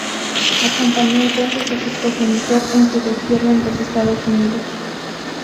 Acompañó entonces a su progenitor en su destierro a los Estados Unidos.